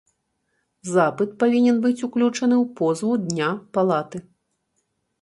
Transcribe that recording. Запыт павінен быць уключаны ў позву дня палаты.